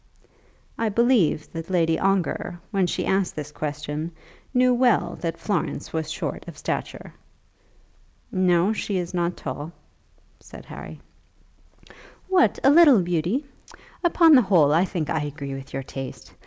I believe that Lady Ongar, when she asked this question, knew well that Florence was short of stature. "No; she is not tall," said Harry. "What, a little beauty? Upon the whole I think I agree with your taste.